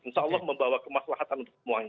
insya allah membawa kemaslahatan untuk semuanya